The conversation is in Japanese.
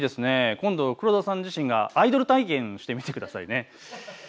今度、黒田さん自身がアイドル体験してみてくださいね。